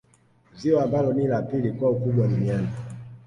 Ziwa ambalo ni la pili kwa ukubwa duniani